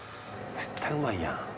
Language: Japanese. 絶対うまいやん。